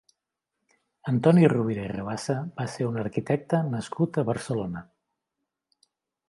Antoni Rovira i Rabassa va ser un arquitecte nascut a Barcelona.